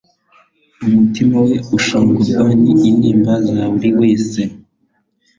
Umutima we ushengurwa n' intimba za buri wese.